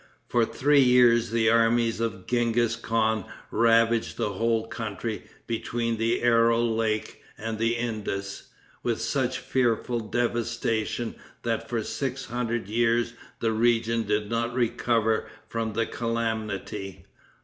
For three years the armies of Genghis Khan ravaged the whole country between the Aral lake and the Indus, with such fearful devastation that for six hundred years the region did not recover from the calamity.